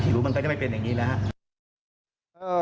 หรือมันก็จะไม่เป็นอย่างนี้นะฮะ